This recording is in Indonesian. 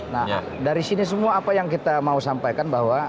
nah dari sini semua apa yang kita mau sampaikan bahwa